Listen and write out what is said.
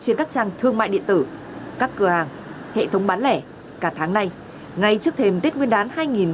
trên các trang thương mại điện tử các cửa hàng hệ thống bán lẻ cả tháng nay ngay trước thêm tết nguyên đán hai nghìn hai mươi